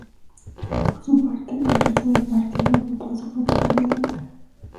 Por su parte el resto de partidos votó a su propio candidato.